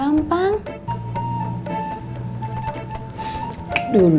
maka kita bisa menjadikan tabungan